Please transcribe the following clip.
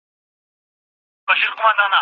يوار د شپې زيارت ته راشه زما واده دی گلې